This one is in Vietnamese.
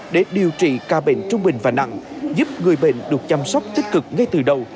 để điều trị ca bệnh trung bình và nặng giúp người bệnh được chăm sóc tích cực ngay từ đầu